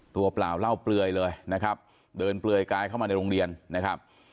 เปล่าเล่าเปลือยเลยนะครับเดินเปลือยกายเข้ามาในโรงเรียนนะครับ